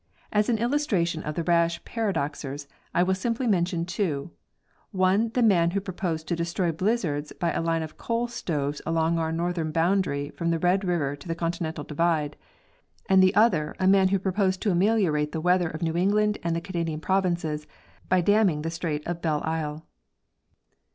As an illustration of the rash paradoxers I will simply mention two, one the man who proposed to destroy blizzards hy a line of coal stoves along our northern boundary from Red river to the continental divide, and the other a man who proposed to ameliorate the weather of New England and the Canadian provinces by damming the strait of Belleisle.